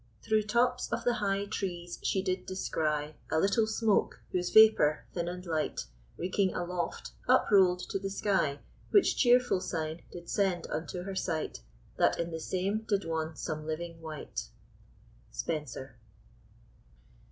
Through tops of the high trees she did descry A little smoke, whose vapour, thin and light, Reeking aloft, uprolled to the sky, Which cheerful sign did send unto her sight, That in the same did wonne some living wight. SPENSER.